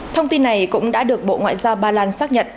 thông tin này cũng đã được bộ ngoại giao ba lan xác nhận